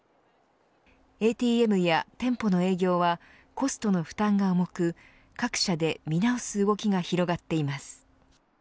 ＡＴＭや店舗の営業はコストの負担が重く各社で見直す動きが広がっています。